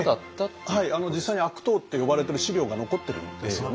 はい実際に「悪党」って呼ばれてる資料が残ってるんですよね。